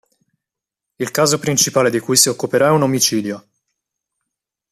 Il caso principale di cui si occuperà è un omicidio.